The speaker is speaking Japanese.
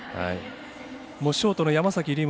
ショートの山崎凌